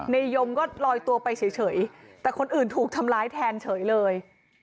ยมก็ลอยตัวไปเฉยแต่คนอื่นถูกทำร้ายแทนเฉยเลย